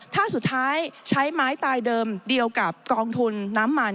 ถ้าสุดท้ายใช้ไม้ตายเดิมเดียวกับกองทุนน้ำมัน